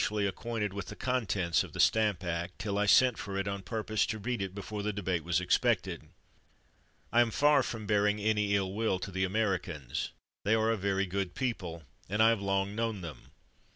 239 THE WORLD'S FAMOUS ORATIONS tents of the Stamp Act, till I sent for it on pur pose to read it before the debate was expected. I am far from bearing any ill will to the Americans; they are a very good people, and I have long known them.